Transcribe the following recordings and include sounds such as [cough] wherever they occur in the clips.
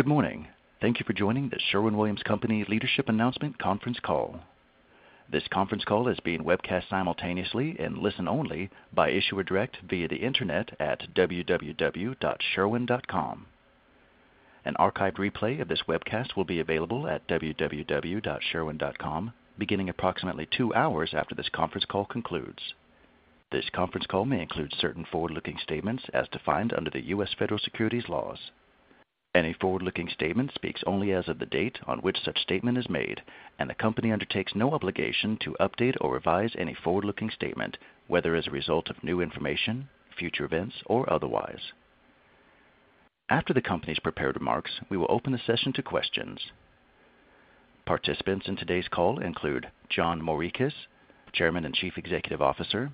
Good morning. Thank you for joining the Sherwin-Williams Company Leadership Announcement conference call. This conference call is being webcast simultaneously and listen only by Issuer Direct via the Internet at www.sherwin.com. An archived replay of this webcast will be available at www.sherwin.com beginning approximately two hours after this conference call concludes. This conference call may include certain forward-looking statements as defined under the U.S. Federal Securities laws. Any forward-looking statement speaks only as of the date on which such statement is made, and the Company undertakes no obligation to update or revise any forward-looking statement, whether as a result of new information, future events, or otherwise. After the Company's prepared remarks, we will open the session to questions. Participants in today's call include John Morikis, Chairman and Chief Executive Officer,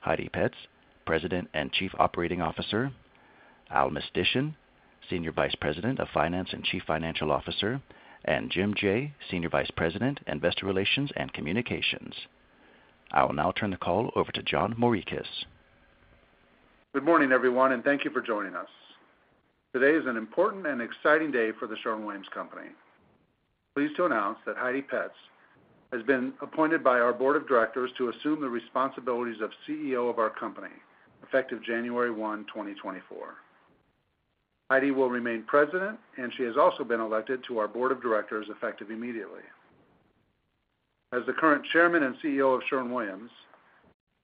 Heidi Petz, President and Chief Operating Officer, Al Mistysyn, Senior Vice President of Finance and Chief Financial Officer, and Jim Jaye, Senior Vice President, Investor Relations and Communications. I will now turn the call over to John Morikis. Good morning, everyone, and thank you for joining us. Today is an important and exciting day for the Sherwin-Williams Company. Pleased to announce that Heidi Petz has been appointed by our Board of Directors to assume the responsibilities of CEO of our company, effective January 1, 2024. Heidi will remain President, and she has also been elected to our Board of Directors, effective immediately. As the current Chairman and CEO of Sherwin-Williams,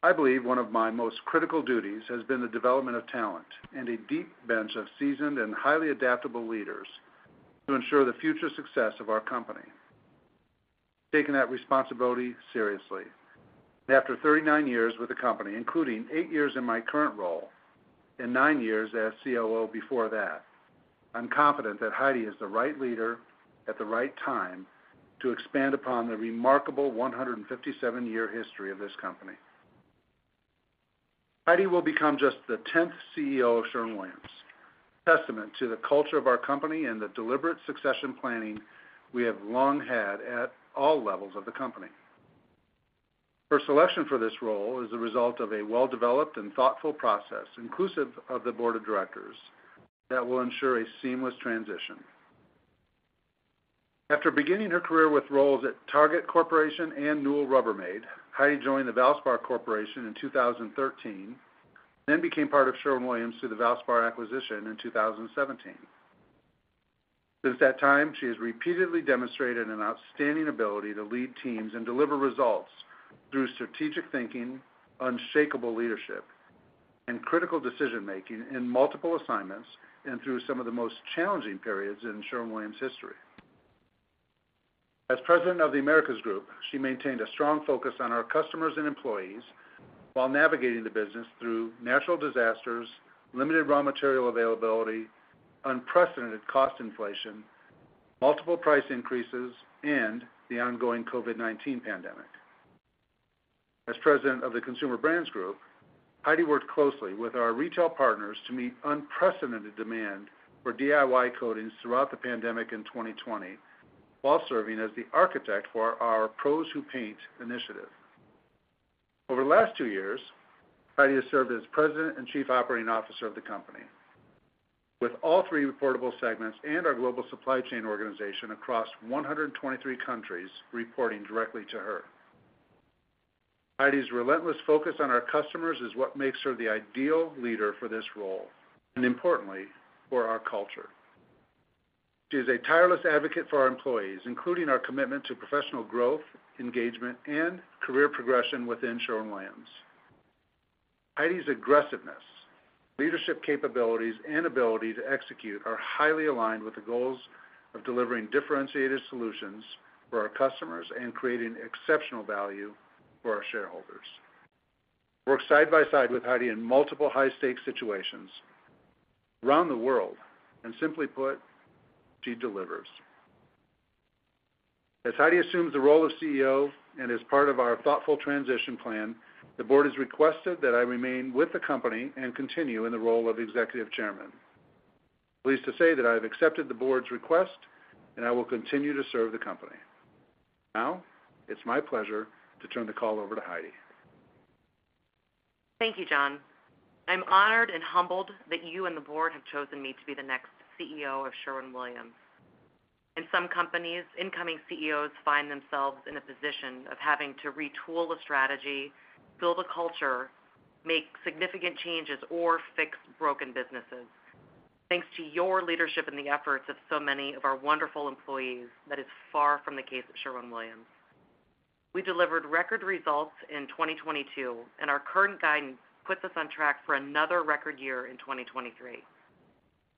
I believe one of my most critical duties has been the development of talent and a deep bench of seasoned and highly adaptable leaders to ensure the future success of our company. Taking that responsibility seriously, after 39 years with the company, including eight years in my current role and nine years as COO before that, I'm confident that Heidi is the right leader at the right time to expand upon the remarkable 157-year history of this company. Heidi will become just the tenth CEO of Sherwin-Williams, testament to the culture of our company and the deliberate succession planning we have long had at all levels of the company. Her selection for this role is a result of a well-developed and thoughtful process, inclusive of the board of directors, that will ensure a seamless transition. After beginning her career with roles at Target Corporation and Newell Rubbermaid, Heidi joined the Valspar Corporation in 2013, then became part of Sherwin-Williams through the Valspar acquisition in 2017. Since that time, she has repeatedly demonstrated an outstanding ability to lead teams and deliver results through strategic thinking, unshakable leadership, and critical decision-making in multiple assignments and through some of the most challenging periods in Sherwin-Williams' history. As President of the Americas Group, she maintained a strong focus on our customers and employees while navigating the business through natural disasters, limited raw material availability, unprecedented cost inflation, multiple price increases, and the ongoing COVID-19 pandemic. As President of the Consumer Brands Group, Heidi worked closely with our retail partners to meet unprecedented demand for DIY coatings throughout the pandemic in 2020, while serving as the architect for our Pros Who Paint initiative. Over the last two years, Heidi has served as President and Chief Operating Officer of the company, with all three reportable segments and our Global Supply Chain organization across 123 countries reporting directly to her. Heidi's relentless focus on our customers is what makes her the ideal leader for this role, and importantly, for our culture. She is a tireless advocate for our employees, including our commitment to professional growth, engagement, and career progression within Sherwin-Williams. Heidi's aggressiveness, leadership capabilities, and ability to execute are highly aligned with the goals of delivering differentiated solutions for our customers and creating exceptional value for our shareholders. Work side by side with Heidi in multiple high-stakes situations around the world, and simply put, she delivers. As Heidi assumes the role of CEO and as part of our thoughtful transition plan, the board has requested that I remain with the company and continue in the role of Executive Chairman. Pleased to say that I have accepted the board's request, and I will continue to serve the company. Now it's my pleasure to turn the call over to Heidi. Thank you, John. I'm honored and humbled that you and the board have chosen me to be the next CEO of Sherwin-Williams. In some companies, incoming CEOs find themselves in a position of having to retool a strategy, build a culture, make significant changes, or fix broken businesses. Thanks to your leadership and the efforts of so many of our wonderful employees, that is far from the case at Sherwin-Williams. We delivered record results in 2022, and our current guidance puts us on track for another record year in 2023.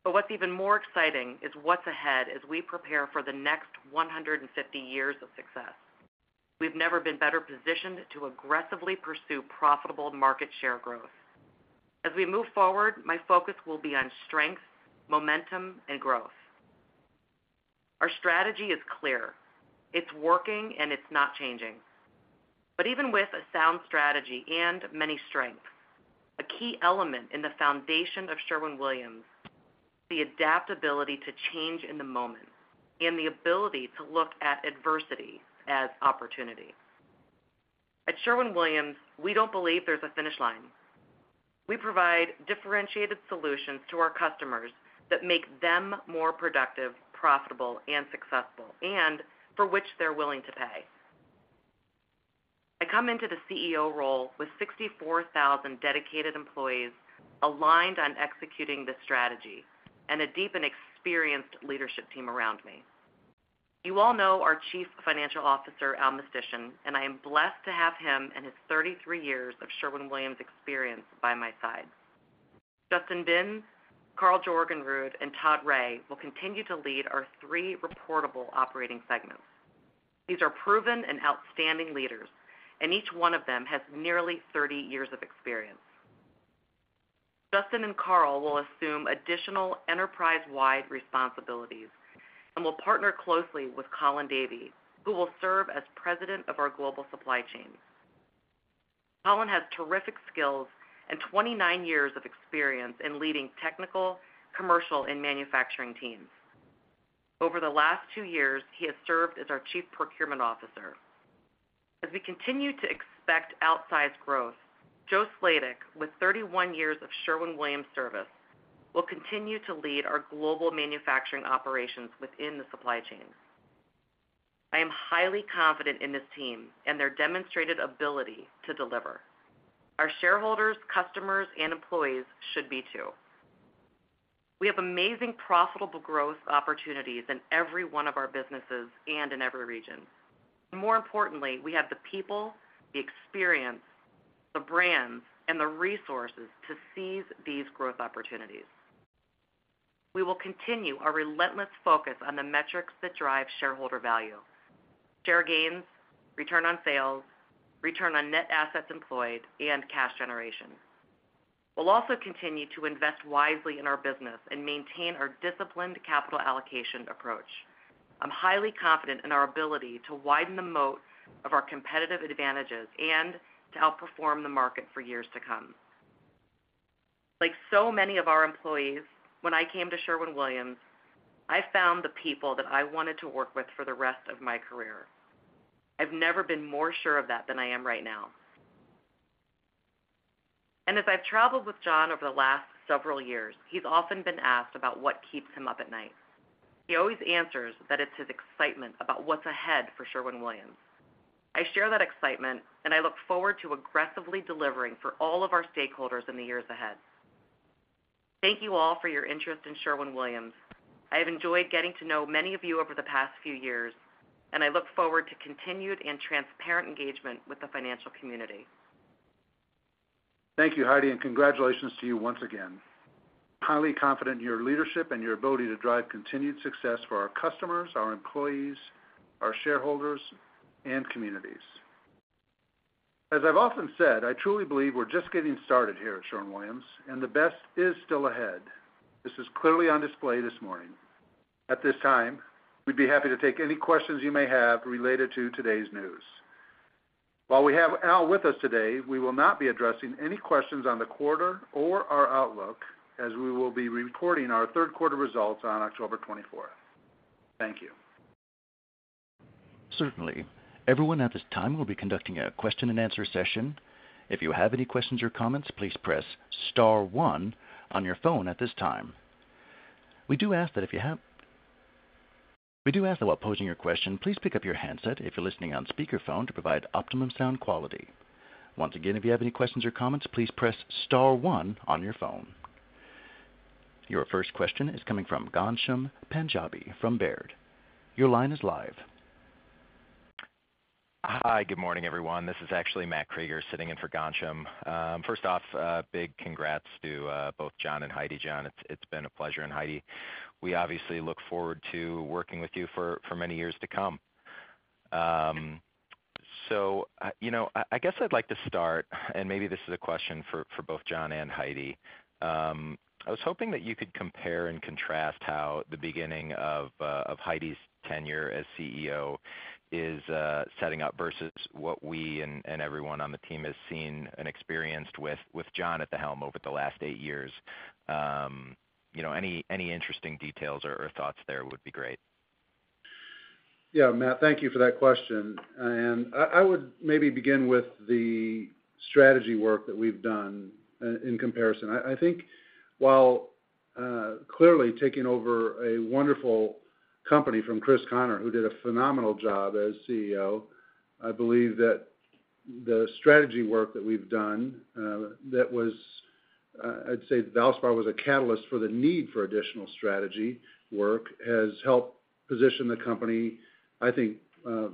But what's even more exciting is what's ahead as we prepare for the next 150 years of success. We've never been better positioned to aggressively pursue profitable market share growth. As we move forward, my focus will be on strength, momentum, and growth. Our strategy is clear, it's working, and it's not changing. Even with a sound strategy and many strengths, a key element in the foundation of Sherwin-Williams, the adaptability to change in the moment and the ability to look at adversity as opportunity.... At Sherwin-Williams, we don't believe there's a finish line. We provide differentiated solutions to our customers that make them more productive, profitable, and successful, and for which they're willing to pay. I come into the CEO role with 64,000 dedicated employees aligned on executing this strategy and a deep and experienced leadership team around me. You all know our Chief Financial Officer, Allen J. Mistysyn, and I am blessed to have him and his 33 years of Sherwin-Williams experience by my side. Justin T. Binns, Karl J. Jorgenrud, and Todd D. Rea will continue to lead our three reportable operating segments. These are proven and outstanding leaders, and each one of them has nearly 30 years of experience. Justin and Karl will assume additional enterprise-wide responsibilities and will partner closely with Colin Davey, who will serve as President of our global supply chain. Colin has terrific skills and 29 years of experience in leading technical, commercial, and manufacturing teams. Over the last two years, he has served as our Chief Procurement Officer. As we continue to expect outsized growth, Joe Sladek, with 31 years of Sherwin-Williams service, will continue to lead our global manufacturing operations within the supply chain. I am highly confident in this team and their demonstrated ability to deliver. Our shareholders, customers, and employees should be, too. We have amazing profitable growth opportunities in every one of our businesses and in every region. More importantly, we have the people, the experience, the brands, and the resources to seize these growth opportunities. We will continue our relentless focus on the metrics that drive shareholder value, share gains, return on sales, return on net assets employed, and cash generation. We'll also continue to invest wisely in our business and maintain our disciplined capital allocation approach. I'm highly confident in our ability to widen the moat of our competitive advantages and to outperform the market for years to come. Like so many of our employees, when I came to Sherwin-Williams, I found the people that I wanted to work with for the rest of my career. I've never been more sure of that than I am right now. And as I've traveled with John over the last several years, he's often been asked about what keeps him up at night. He always answers that it's his excitement about what's ahead for Sherwin-Williams. I share that excitement, and I look forward to aggressively delivering for all of our stakeholders in the years ahead. Thank you all for your interest in Sherwin-Williams. I have enjoyed getting to know many of you over the past few years, and I look forward to continued and transparent engagement with the financial community. Thank you, Heidi, and congratulations to you once again. Highly confident in your leadership and your ability to drive continued success for our customers, our employees, our shareholders, and communities. As I've often said, I truly believe we're just getting started here at Sherwin-Williams, and the best is still ahead. This is clearly on display this morning. At this time, we'd be happy to take any questions you may have related to today's news. While we have Al with us today, we will not be addressing any questions on the quarter or our outlook as we will be reporting our third quarter results on October 24th. Thank you. Certainly. Everyone at this time, we'll be conducting a question and answer session. If you have any questions or comments, please press star one on your phone at this time. We do ask that while posing your question, please pick up your handset if you're listening on speakerphone to provide optimum sound quality. Once again, if you have any questions or comments, please press star one on your phone. Your first question is coming from Ghansham Panjabi from Baird. Your line is live. Hi, good morning, everyone. This is actually Matt Krueger sitting in for Ghansham. First off, big congrats to both John and Heidi. John, it's been a pleasure, and Heidi, we obviously look forward to working with you for many years to come. So, you know, I guess I'd like to start, and maybe this is a question for both John and Heidi. I was hoping that you could compare and contrast how the beginning of Heidi's tenure as CEO is setting up versus what we and everyone on the team has seen and experienced with John at the helm over the last eight years. You know, any interesting details or thoughts there would be great. Yeah, Matt, thank you for that question. I would maybe begin with the strategy work that we've done in comparison. I think while clearly taking over a wonderful company from Chris Connor, who did a phenomenal job as CEO, I believe that the strategy work that we've done, I'd say Valspar was a catalyst for the need for additional strategy work, has helped position the company, I think,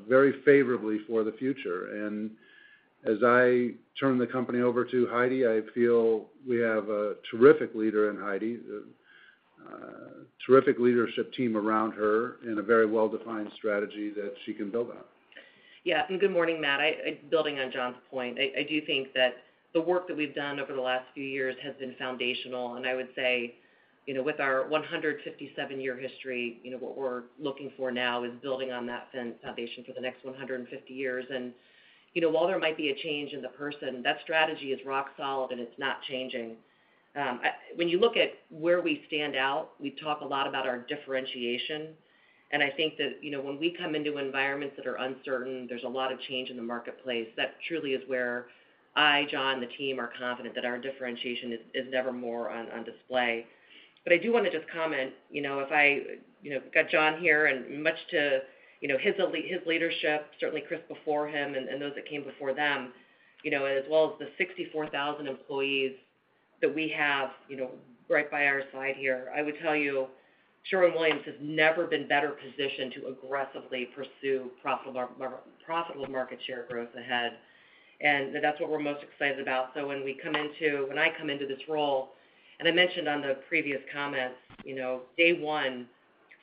very favorably for the future. As I turn the company over to Heidi, I feel we have a terrific leader in Heidi, terrific leadership team around her, and a very well-defined strategy that she can build on. Yeah, and good morning, Matt. I, building on John's point, I, I do think that the work that we've done over the last few years has been foundational, and I would say, you know, with our 157-year history, you know, what we're looking for now is building on that foundation for the next 150 years. And, you know, while there might be a change in the person, that strategy is rock solid, and it's not changing. When you look at where we stand out, we talk a lot about our differentiation. And I think that, you know, when we come into environments that are uncertain, there's a lot of change in the marketplace, that truly is where I, John, the team, are confident that our differentiation is, is never more on, on display. I do wanna just comment, you know, if I, you know, got John here, and much to, you know, his leadership, certainly Chris before him and those that came before them, you know, as well as the 64,000 employees that we have, you know, right by our side here, I would tell you, Sherwin-Williams has never been better positioned to aggressively pursue profitable market share growth ahead. That's what we're most excited about. When we come into-- when I come into this role, and I mentioned on the previous comments, you know, day one,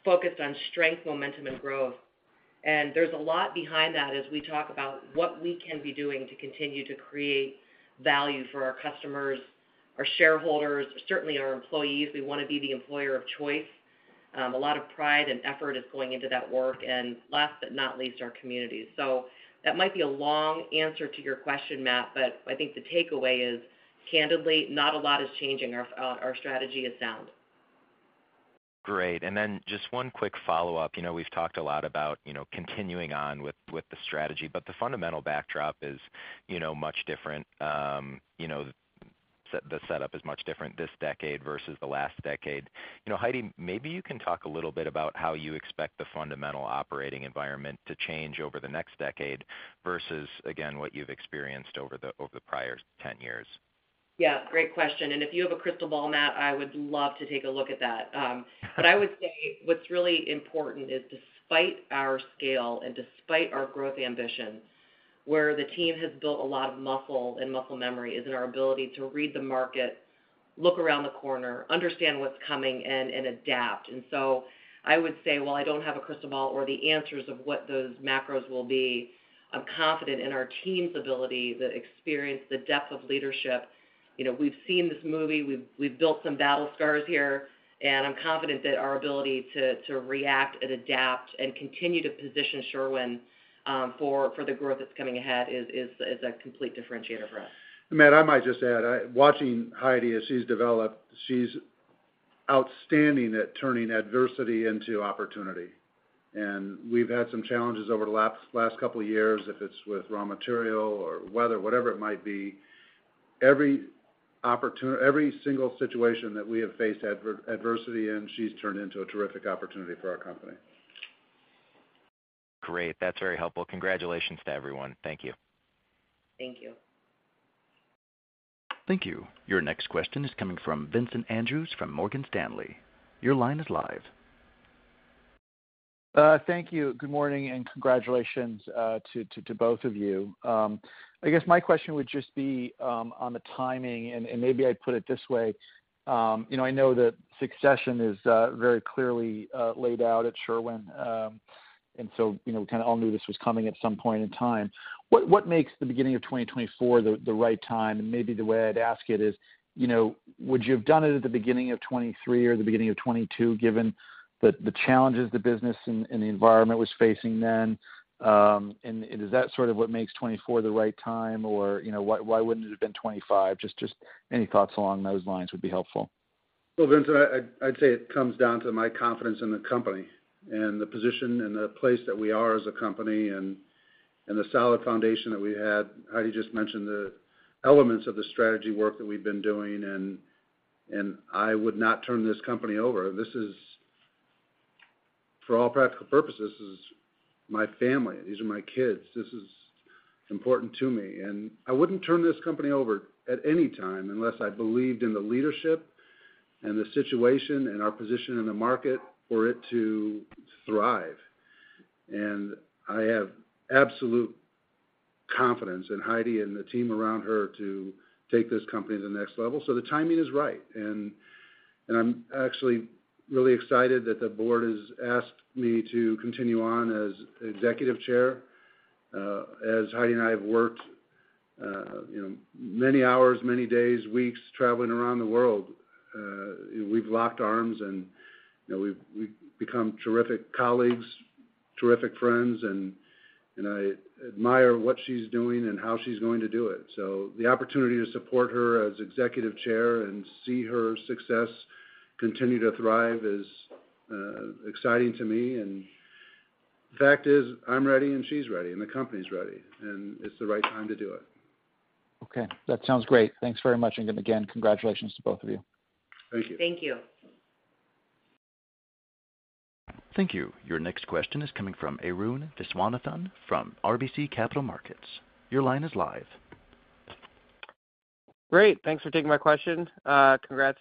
focused on strength, momentum, and growth. There's a lot behind that as we talk about what we can be doing to continue to create value for our customers, our shareholders, certainly our employees. We wanna be the employer of choice. A lot of pride and effort is going into that work, and last but not least, our communities. That might be a long answer to your question, Matt, but I think the takeaway is, candidly, not a lot is changing. Our strategy is sound. Great. And then just one quick follow-up. You know, we've talked a lot about, you know, continuing on with the strategy, but the fundamental backdrop is, you know, much different. You know, the setup is much different this decade versus the last decade. You know, Heidi, maybe you can talk a little bit about how you expect the fundamental operating environment to change over the next decade versus, again, what you've experienced over the prior 10 years. Yeah, great question. If you have a crystal ball, Matt, I would love to take a look at that. But I would say what's really important is despite our scale and despite our growth ambitions, where the team has built a lot of muscle and muscle memory, is in our ability to read the market, look around the corner, understand what's coming, and adapt. So I would say, while I don't have a crystal ball or the answers of what those macros will be, I'm confident in our team's ability, the experience, the depth of leadership. You know, we've seen this movie, we've built some battle scars here, and I'm confident that our ability to react and adapt and continue to position Sherwin for the growth that's coming ahead is a complete differentiator for us. Matt, I might just add, watching Heidi as she's developed, she's outstanding at turning adversity into opportunity. And we've had some challenges over the last couple of years, if it's with raw material or weather, whatever it might be. Every single situation that we have faced adversity in, she's turned into a terrific opportunity for our company. Great. That's very helpful. Congratulations to everyone. Thank you. Thank you. Thank you. Your next question is coming from Vincent Andrews from Morgan Stanley. Your line is live. Thank you. Good morning, and congratulations to both of you. I guess my question would just be on the timing, and maybe I'd put it this way: you know, I know that succession is very clearly laid out at Sherwin. You know, we kind of all knew this was coming at some point in time. What makes the beginning of 2024 the right time? Maybe the way I'd ask it is, you know, would you have done it at the beginning of 2023 or the beginning of 2022, given the challenges the business and the environment was facing then? Is that sort of what makes 2024 the right time, or, you know, why wouldn't it have been 2025?Just any thoughts along those lines would be helpful. Well, Vincent, I'd say it comes down to my confidence in the company and the position and the place that we are as a company and the solid foundation that we had. Heidi just mentioned the elements of the strategy work that we've been doing, and I would not turn this company over. This is, for all practical purposes, this is my family. These are my kids. This is important to me, and I wouldn't turn this company over at any time unless I believed in the leadership and the situation and our position in the market for it to thrive. And I have absolute confidence in Heidi and the team around her to take this company to the next level. So the timing is right, and I'm actually really excited that the board has asked me to continue on as executive chair. As Heidi and I have worked, you know, many hours, many days, weeks, traveling around the world, we've locked arms and, you know, we've become terrific colleagues, terrific friends, and I admire what she's doing and how she's going to do it. So the opportunity to support her as executive chair and see her success continue to thrive is exciting to me. And the fact is, I'm ready, and she's ready, and the company's ready, and it's the right time to do it. Okay, that sounds great. Thanks very much. And again, congratulations to both of you. Thank you. Thank you. Thank you. Your next question is coming from Arun Viswanathan from RBC Capital Markets. Your line is live. Great. Thanks for taking my question. Congrats,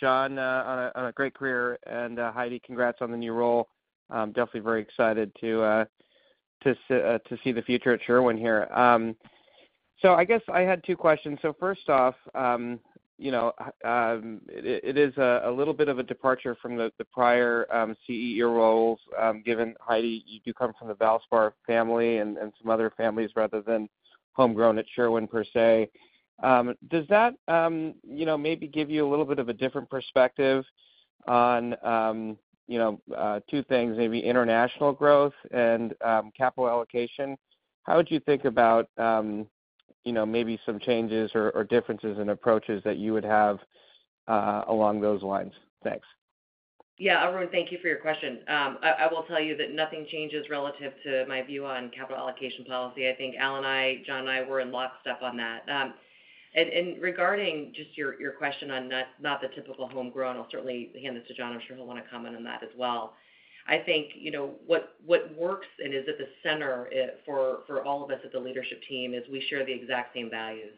John, on a great career, and, Heidi, congrats on the new role. I'm definitely very excited to see the future at Sherwin here. So I guess I had two questions. So first off, you know, it is a little bit of a departure from the prior CEO roles, given, Heidi, you do come from the Valspar family and some other families rather than homegrown at Sherwin per se. Does that, you know, maybe give you a little bit of a different perspective on you know, two things, maybe international growth and capital allocation? How would you think about, you know, maybe some changes or differences in approaches that you would have along those lines? Thanks. Yeah, Arun, thank you for your question. I will tell you that nothing changes relative to my view on capital allocation policy. I think Al and I, John and I, we're in lockstep on that. Regarding just your question on not the typical homegrown, I'll certainly hand this to John. I'm sure he'll wanna comment on that as well. I think, you know, what works and is at the center for all of us as a leadership team is we share the exact same values.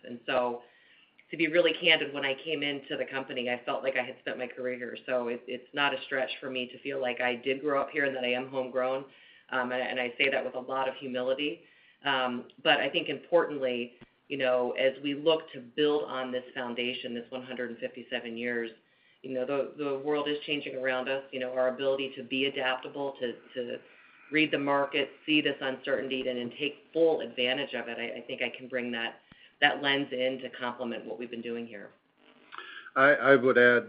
To be really candid, when I came into the company, I felt like I had spent my career here. It is not a stretch for me to feel like I did grow up here, and that I am homegrown. I say that with a lot of humility. But I think importantly, you know, as we look to build on this foundation, this 157 years, you know, the world is changing around us. You know, our ability to be adaptable, to read the market, see this uncertainty, and then take full advantage of it, I think I can bring that lens in to complement what we've been doing here. I would add,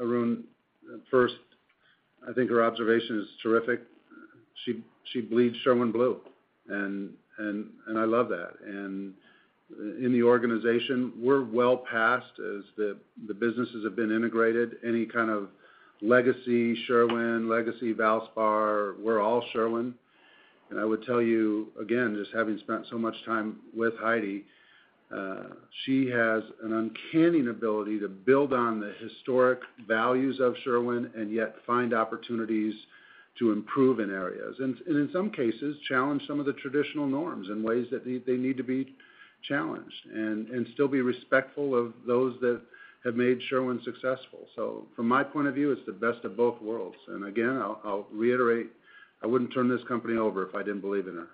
Arun, first, I think her observation is terrific. She bleeds Sherwin blue, and I love that. In the organization, we're well past as the businesses have been integrated. Any kind of legacy Sherwin, legacy Valspar, we're all Sherwin. I would tell you again, just having spent so much time with Heidi, she has an uncanny ability to build on the historic values of Sherwin and yet find opportunities to improve in areas, and in some cases, challenge some of the traditional norms in ways that they need to be challenged and still be respectful of those that have made Sherwin successful. So from my point of view, it's the best of both worlds. Again, I'll reiterate, I wouldn't turn this company over if I didn't believe in her.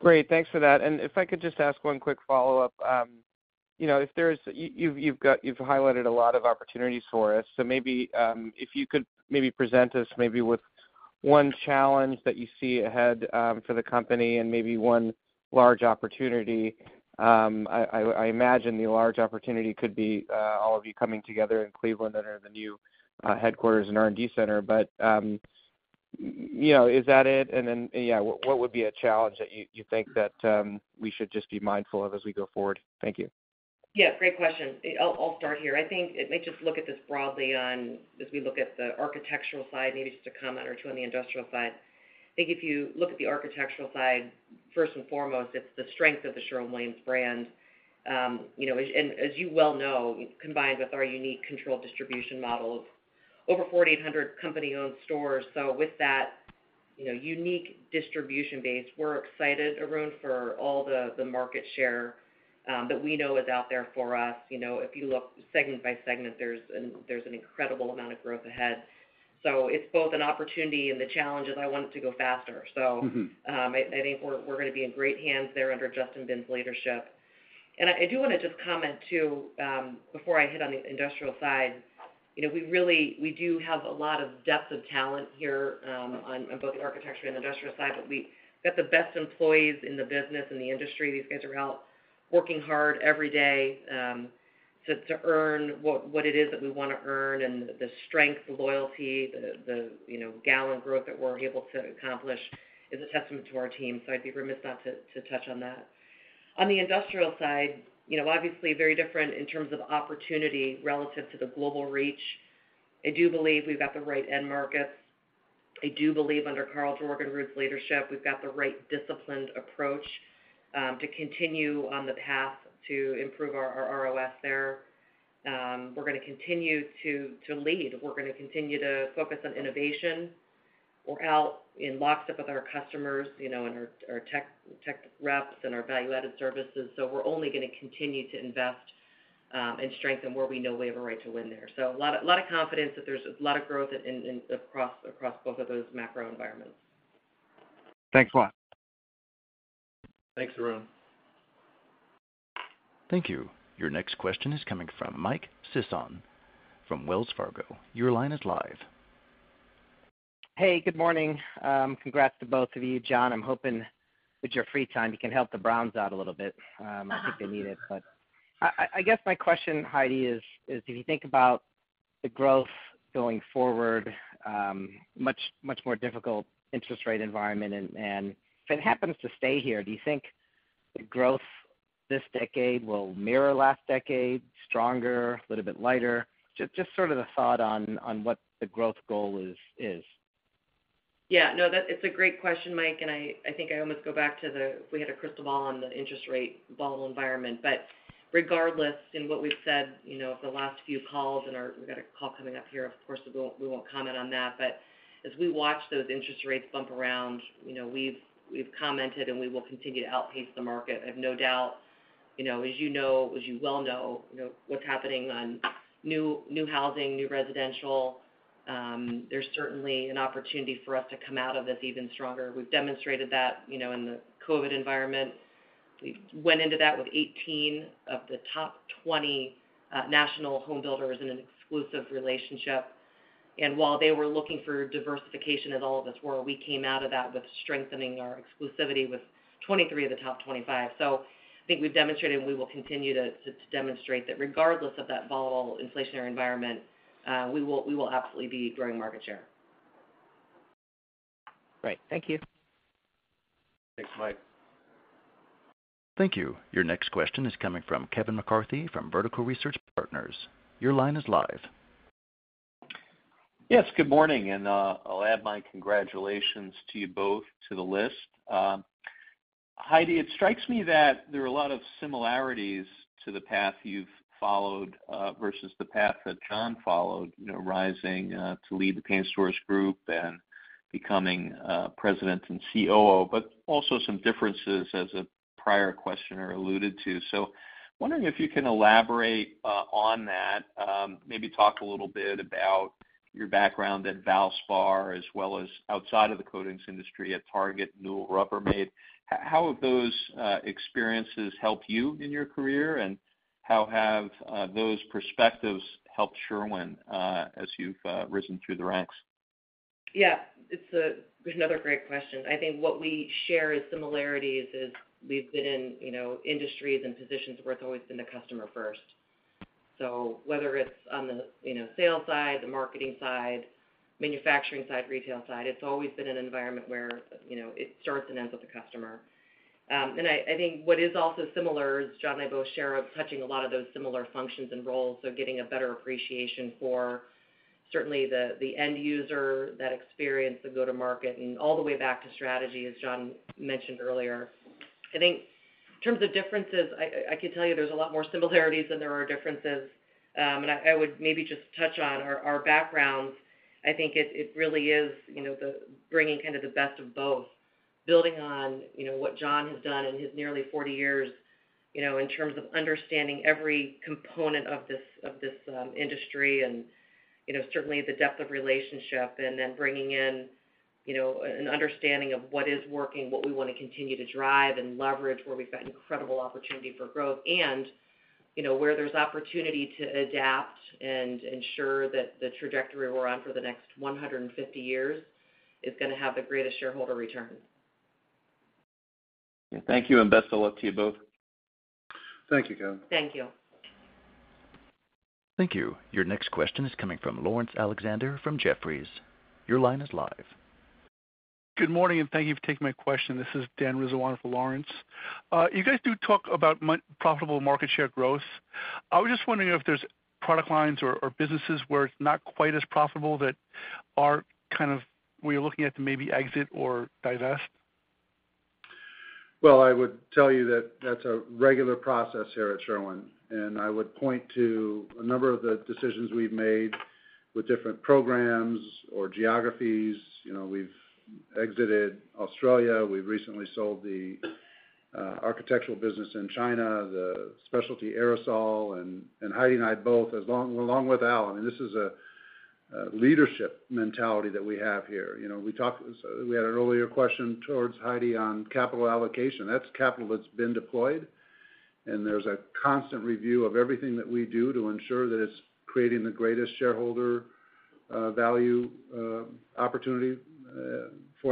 Great. Thanks for that. And if I could just ask one quick follow-up. You know, if there's... you've highlighted a lot of opportunities for us, so maybe if you could present us with one challenge that you see ahead for the company and maybe one large opportunity. I imagine the large opportunity could be all of you coming together in Cleveland under the new headquarters and R&D center, but you know, is that it? And then, yeah, what would be a challenge that you think that we should just be mindful of as we go forward? Thank you. Yeah, great question. I'll, I'll start here. I think I may just look at this broadly on as we look at the architectural side, maybe just a comment or two on the industrial side. I think if you look at the architectural side, first and foremost, it's the strength of the Sherwin-Williams brand. You know, as and as you well know, combined with our unique controlled distribution model of over 4,800 company-owned stores. So with that, you know, unique distribution base, we're excited, Arun, for all the, the market share that we know is out there for us. You know, if you look segment by segment, there's an, there's an incredible amount of growth ahead. So it's both an opportunity and the challenge is I want it to go faster. Mm-hmm. So, I think we're gonna be in great hands there under Justin Binns's leadership. And I do wanna just comment too, before I hit on the industrial side. You know, we really, we do have a lot of depth of talent here, on both the architecture and industrial side, but we got the best employees in the business, in the industry. These guys are out working hard every day, to earn what it is that we wanna earn. And the strength, the loyalty, you know, gallon growth that we're able to accomplish is a testament to our team. So I'd be remiss not to touch on that. On the industrial side, you know, obviously very different in terms of opportunity relative to the global reach. I do believe we've got the right end markets. I do believe under Karl J. Jorgenrud's leadership, we've got the right disciplined approach to continue on the path to improve our ROS there. We're gonna continue to lead. We're gonna continue to focus on innovation. We're out in lockstep with our customers, you know, and our tech reps and our value-added services. So we're only gonna continue to invest and strengthen where we know we have a right to win there. So a lot of confidence that there's a lot of growth in across both of those macro environments. Thanks a lot. Thanks, Arun. Thank you. Your next question is coming from Mike Sison from Wells Fargo. Your line is live. Hey, good morning. Congrats to both of you. John, I'm hoping with your free time, you can help the Browns out a little bit. I think they need it. I guess my question, Heidi, is if you think about the growth going forward, much, much more difficult interest rate environment, and if it happens to stay here, do you think the growth this decade will mirror last decade? Stronger, a little bit lighter? Just sort of a thought on what the growth goal is. Yeah, no, that... It's a great question, Mike, and I, I think I almost go back to the, "We had a crystal ball on the interest rate volatile environment." But regardless, in what we've said, you know, over the last few calls, and our- we've got a call coming up here, of course, we won't, we won't comment on that. But as we watch those interest rates bump around, you know, we've, we've commented and we will continue to outpace the market. I have no doubt. You know, as you know, as you well know, you know, what's happening on new, new housing, new residential, there's certainly an opportunity for us to come out of this even stronger. We've demonstrated that, you know, in the COVID environment. We went into that with 18 of the top 20, national home builders in an exclusive relationship.... While they were looking for diversification, as all of us were, we came out of that with strengthening our exclusivity with 23 of the top 25. So I think we've demonstrated, and we will continue to demonstrate, that regardless of that volatile inflationary environment, we will absolutely be growing market share. Great. Thank you. Thanks, Mike. Thank you. Your next question is coming from Kevin McCarthy from Vertical Research Partners. Your line is live. Yes, good morning, and I'll add my congratulations to you both to the list. Heidi, it strikes me that there are a lot of similarities to the path you've followed, you know, versus the path that John followed, you know, rising to lead the paint stores group and becoming president and COO, but also some differences, as a prior questioner alluded to. Wondering if you can elaborate on that, maybe talk a little bit about your background at Valspar, as well as outside of the coatings industry at Target, Newell Rubbermaid. How, how have those experiences helped you in your career, and how have those perspectives helped Sherwin, as you've risen through the ranks? Yeah, it's another great question. I think what we share as similarities is we've been in, you know, industries and positions where it's always been the customer first. So whether it's on the, you know, sales side, the marketing side, manufacturing side, retail side, it's always been an environment where, you know, it starts and ends with the customer. And I think what is also similar is John and I both share of touching a lot of those similar functions and roles, so getting a better appreciation for certainly the end user, that experience, the go-to-market, and all the way back to strategy, as John mentioned earlier. I think in terms of differences, I can tell you there's a lot more similarities than there are differences. And I would maybe just touch on our backgrounds. I think it really is, you know, the bringing kind of the best of both. Building on, you know, what John has done in his nearly 40 years, you know, in terms of understanding every component of this industry and, you know, certainly the depth of relationship and then bringing in, you know, an understanding of what is working, what we wanna continue to drive and leverage, where we've got incredible opportunity for growth, and, you know, where there's opportunity to adapt and ensure that the trajectory we're on for the next 150 years is gonna have the greatest shareholder return. Thank you, and best of luck to you both. Thank you, Kevin. Thank you. Thank you. Your next question is coming from Lawrence Alexander from Jefferies. Your line is live. Good morning, and thank you for taking my question. This is Dan Rizzo for Lawrence. You guys do talk about profitable market share growth. I was just wondering if there's product lines or, or businesses where it's not quite as profitable that are kind of, where you're looking at to maybe exit or divest? Well, I would tell you that that's a regular process here at Sherwin, and I would point to a number of the decisions we've made with different programs or geographies. You know, we've exited Australia. We've recently sold the architectural business in China, the specialty aerosol. And Heidi and I both, along with Al, and this is a leadership mentality that we have here. You know, we talked. We had an earlier question towards Heidi on capital allocation. That's capital that's been deployed, and there's a constant review of everything that we do to ensure that it's creating the greatest shareholder value opportunity for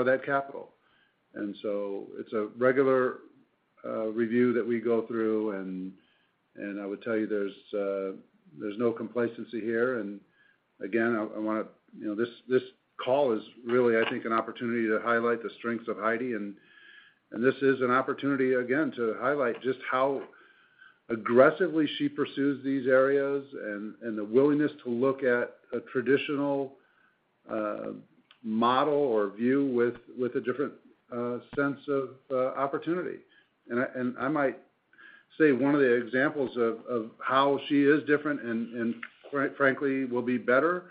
that capital. And so it's a regular review that we go through, and I would tell you there's no complacency here. I wanna, you know, this call is really, I think, an opportunity to highlight the strengths of Heidi, and this is an opportunity, again, to highlight just how aggressively she pursues these areas and the willingness to look at a traditional model or view with a different sense of opportunity. I might say one of the examples of how she is different and, quite frankly, will be better,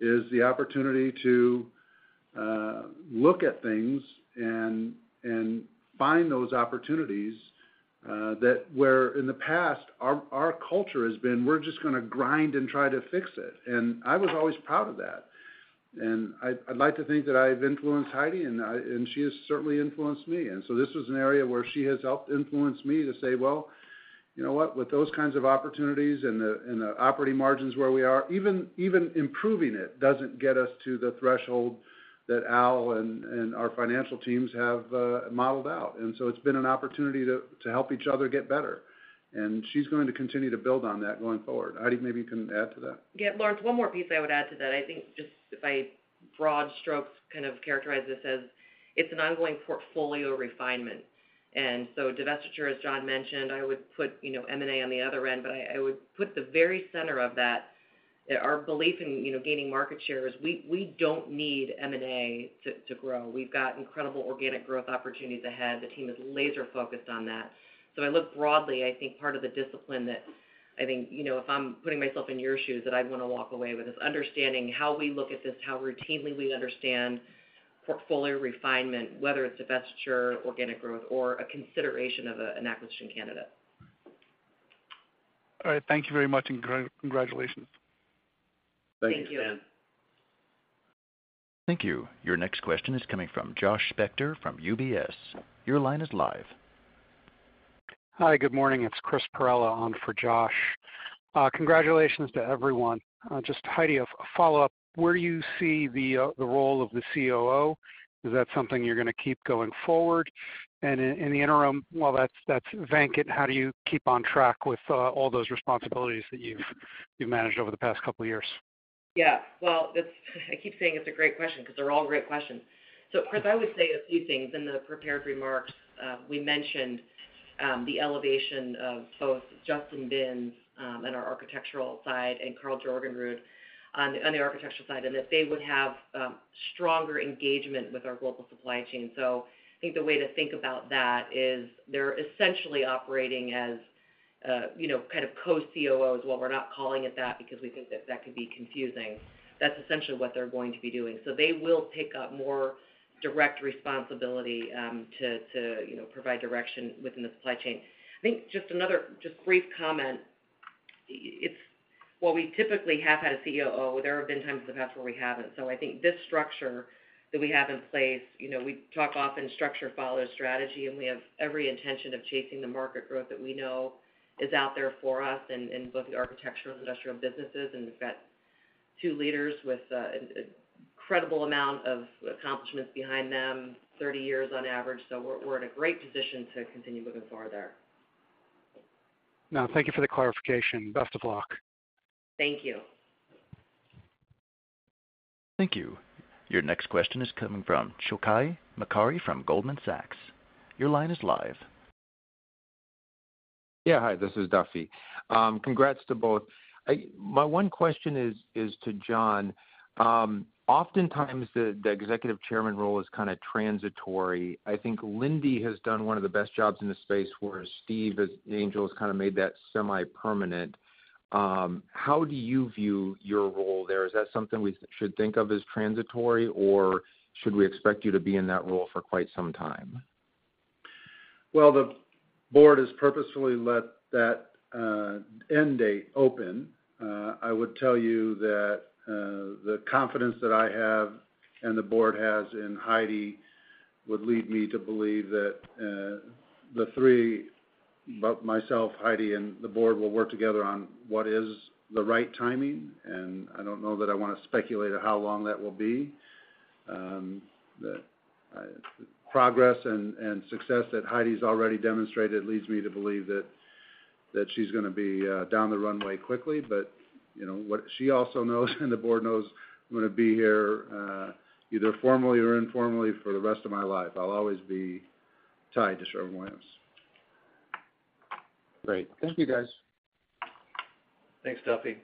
is the opportunity to look at things and find those opportunities that where in the past, our culture has been, we're just gonna grind and try to fix it. I was always proud of that. I'd like to think that I've influenced Heidi, and she has certainly influenced me. And so this is an area where she has helped influence me to say, "Well, you know what? With those kinds of opportunities and the operating margins where we are, even improving it doesn't get us to the threshold that Al and our financial teams have modeled out." And so it's been an opportunity to help each other get better, and she's going to continue to build on that going forward. Heidi, maybe you can add to that. Yeah, Lawrence, one more piece I would add to that. I think just by broad strokes, kind of characterize this as it's an ongoing portfolio refinement. And so divestiture, as John mentioned, I would put, you know, M&A on the other end, but I, I would put the very center of that, our belief in, you know, gaining market shares. We, we don't need M&A to, to grow. We've got incredible organic growth opportunities ahead. The team is laser-focused on that. So I look broadly, I think part of the discipline that I think, you know, if I'm putting myself in your shoes, that I'd wanna walk away with is understanding how we look at this, how routinely we understand portfolio refinement, whether it's divestiture, organic growth, or a consideration of a, an acquisition candidate. All right. Thank you very much, and congratulations. [crosstalk] Thank you. Your next question is coming from Josh Spector from UBS. Your line is live. Hi, good morning. It's Chris Perrella on for Josh. Congratulations to everyone. Just, Heidi, a follow-up, where you see the role of the COO, is that something you're gonna keep going forward? And in the interim, while that's vacant, how do you keep on track with all those responsibilities that you've managed over the past couple of years? Yeah. Well, that's... I keep saying it's a great question because they're all great questions. So, Chris, I would say a few things. In the prepared remarks, we mentioned the elevation of both Justin Binns in our architectural side, and Karl Jorgenrud on the, on the architectural side, and that they would have stronger engagement with our global supply chain. So I think the way to think about that is they're essentially operating as, you know, kind of co-COOs. While we're not calling it that because we think that that could be confusing, that's essentially what they're going to be doing. So they will pick up more direct responsibility to, to, you know, provide direction within the supply chain. I think just another brief comment. It's while we typically have had a COO, there have been times in the past where we haven't. So I think this structure that we have in place, you know, we talk often, structure follows strategy, and we have every intention of chasing the market growth that we know is out there for us in both the architectural industrial businesses. And we've got two leaders with an incredible amount of accomplishments behind them, 30 years on average. So we're in a great position to continue moving forward there. Now thank you for the clarification. Best of luck. Thank you. Thank you. Your next question is coming from Duffy Fischer from Goldman Sachs. Your line is live. Yeah. Hi, this is Duffy. Congrats to both. My one question is to John. Oftentimes, the Executive Chairman role is kind of transitory. I think Linde has done one of the best jobs in the space, whereas Steve Angel has kind of made that semi-permanent. How do you view your role there? Is that something we should think of as transitory, or should we expect you to be in that role for quite some time? Well, the board has purposefully let that end date open. I would tell you that the confidence that I have and the board has in Heidi would lead me to believe that the three, both myself, Heidi, and the board, will work together on what is the right timing, and I don't know that I want to speculate on how long that will be. The progress and success that Heidi's already demonstrated leads me to believe that she's gonna be down the runway quickly. But, you know, what she also knows, and the board knows, I'm gonna be here either formally or informally, for the rest of my life. I'll always be tied to Sherwin-Williams. Great. Thank you, guys. Thanks, Duffy.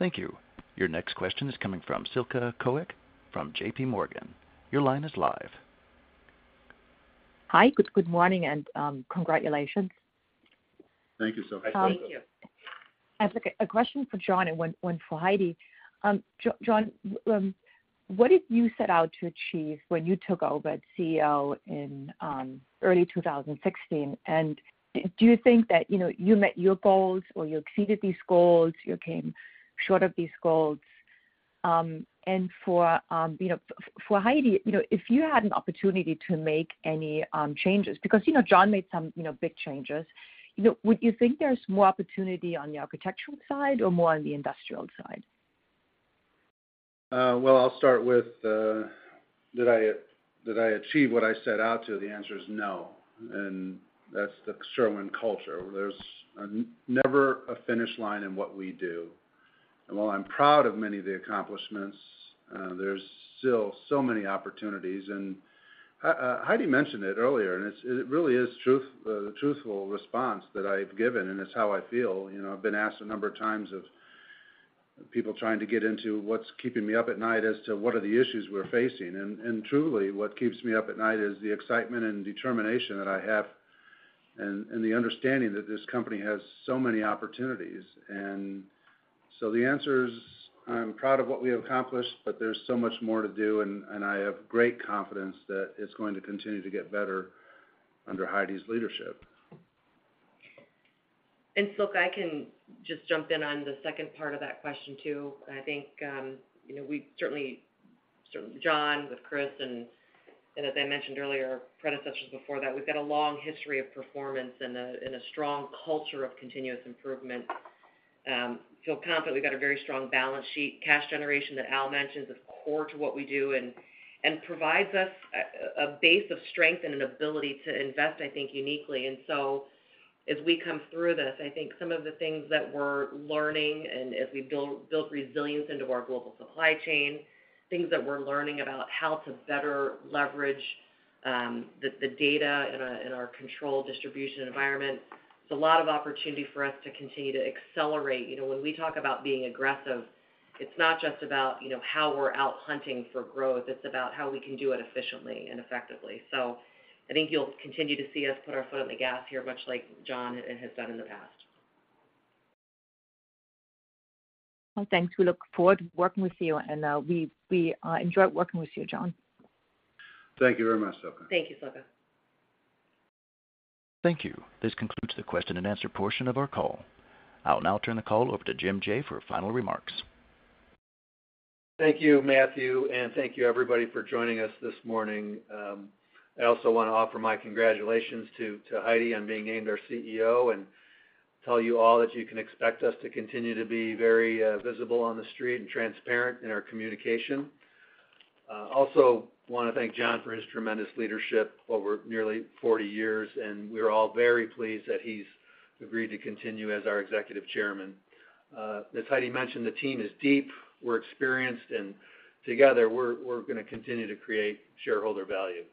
Thank you. Your next question is coming from Silke Kueck from JP Morgan. Your line is live. Hi, good, good morning, and congratulations. Thank you, Silke. Thank you. I have a question for John and one for Heidi. John, what did you set out to achieve when you took over as CEO in early 2016? And do you think that, you know, you met your goals, or you exceeded these goals, you came short of these goals? And for you know, for Heidi, you know, if you had an opportunity to make any changes, because, you know, John made some, you know, big changes, you know, would you think there's more opportunity on the architectural side or more on the industrial side? Well, I'll start with, did I achieve what I set out to? The answer is no, and that's the Sherwin culture. There's never a finish line in what we do. While I'm proud of many of the accomplishments, there's still so many opportunities. Heidi mentioned it earlier, and it really is truth, the truthful response that I've given, and it's how I feel. You know, I've been asked a number of times of people trying to get into what's keeping me up at night as to what are the issues we're facing. Truly, what keeps me up at night is the excitement and determination that I have and the understanding that this company has so many opportunities. And so the answer is, I'm proud of what we have accomplished, but there's so much more to do, and I have great confidence that it's going to continue to get better under Heidi's leadership. Silke, I can just jump in on the second part of that question, too. I think, you know, we certainly, certainly John, with Chris and, as I mentioned earlier, predecessors before that, we've got a long history of performance and a strong culture of continuous improvement. I feel confident we've got a very strong balance sheet. Cash generation that Al mentioned is core to what we do and provides us a base of strength and an ability to invest, I think, uniquely. As we come through this, I think some of the things that we're learning, and as we build resilience into our global supply chain, things that we're learning about how to better leverage the data in our control distribution environment, there's a lot of opportunity for us to continue to accelerate. You know, when we talk about being aggressive, it's not just about, you know, how we're out hunting for growth. It's about how we can do it efficiently and effectively. So I think you'll continue to see us put our foot on the gas here, much like John has done in the past. Well, thanks. We look forward to working with you, and we enjoyed working with you, John. Thank you very much, Silke. Thank you, Silke. Thank you. This concludes the question and answer portion of our call. I'll now turn the call over to Jim Jaye for final remarks. Thank you, Matthew, and thank you, everybody, for joining us this morning. I also want to offer my congratulations to Heidi on being named our CEO and tell you all that you can expect us to continue to be very, very visible on the street and transparent in our communication. I also want to thank John for his tremendous leadership over nearly 40 years, and we're all very pleased that he's agreed to continue as our executive chairman. As Heidi mentioned, the team is deep, we're experienced, and together, we're going to continue to create shareholder value.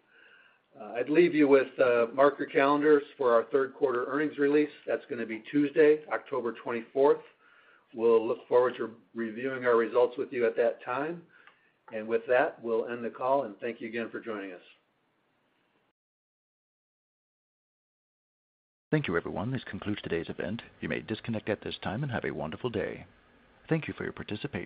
I'd leave you with, mark your calendars for our third quarter earnings release. That's going to be Tuesday, October 24. We'll look forward to reviewing our results with you at that time. With that, we'll end the call and thank you again for joining us. Thank you, everyone. This concludes today's event. You may disconnect at this time and have a wonderful day. Thank you for your participation.